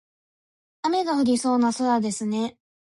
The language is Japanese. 雨が降りそうな空ですね。